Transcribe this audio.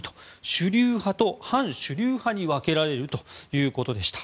主流派と反主流派に分けられるということでした。